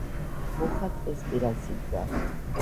მუხა ტყის პირას იდგა.